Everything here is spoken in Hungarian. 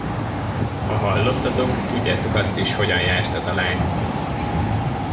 Ha hallottatok, tudjátok azt is, hogyan járt az a lány.